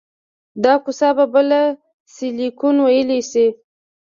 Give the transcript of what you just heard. دا کوڅه به بله سیلیکون ویلي شي